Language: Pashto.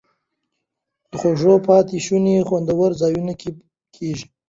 د خوړو پاتې شوني خوندي ځای کې کېږدئ.